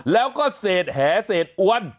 แล้วก็เศษแหเศษอ้วน